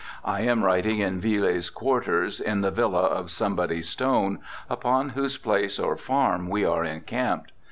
I am writing in Viele's quarters in the villa of Somebody Stone, upon whose place or farm we are encamped.